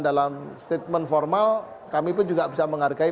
dalam statement formal kami pun juga bisa menghargai